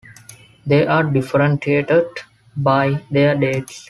They are differentiated by their dates.